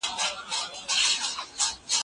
د بام فضا یې کغ کغا نه ډکه